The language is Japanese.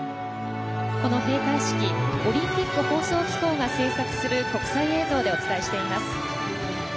この閉会式オリンピック放送機構が制作する国際映像でお届けしています。